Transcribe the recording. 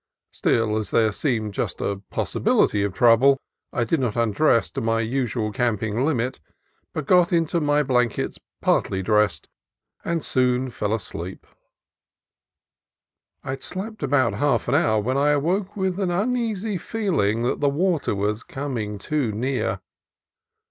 Still, as there seemed just a possibility of trouble, I did not undress to my usual camping limit, but got into my blan kets partly dressed, and soon fell asleep. I suppose I had slept about half an hour when I awoke with an uneasy feeling that the water was coming too EVICTED BY THE TIDE in near.